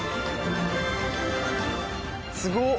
すごっ！